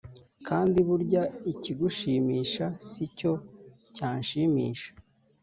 kandi burya ikigushimisha si cyo cyashimisha